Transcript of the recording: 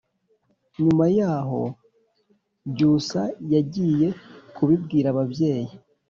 Nyuma yaho Byusa yagiye kubibwira ababyeyi